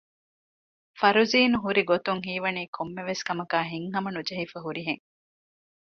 ފަރުޒީނު ހުރިގޮތުން ހީވަނީ ކޮންމެވެސް ކަމަކާއި ހިތްހަމަ ނުޖެހިފައި ހުރިހެން